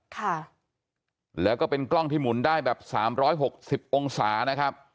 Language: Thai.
ค่ะแล้วก็เป็นกล้องที่หมุนได้แบบสามร้อยหกสิบองศานะครับ